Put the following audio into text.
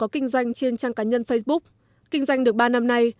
kinh doanh trên trang cá nhân facebook kinh doanh được ba năm nay